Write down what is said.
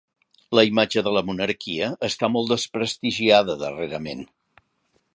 La imatge de la monarquia està molt desprestigiada darrerament.